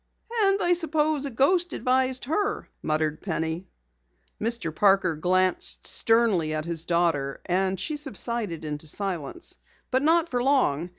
"And I suppose a ghost advised her," muttered Penny. Mr. Parker glanced sternly at his daughter and she subsided into silence. But not for long.